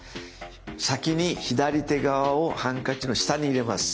先に左手側をハンカチの下に入れます。